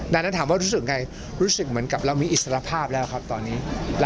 ดังนั้นถามว่ารู้สึกไงรู้สึกเหมือนกับเรามีอิสระภาพแล้วครับตอนนี้